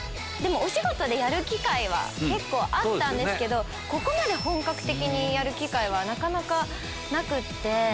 お仕事でやる機会は結構あったんですけどここまで本格的にやる機会はなかなかなくって。